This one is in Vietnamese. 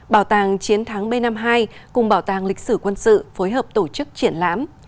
bảo tàng chiến thắng b năm mươi hai cùng bảo tàng lịch sử quân sự phối hợp tổ chức triển lãm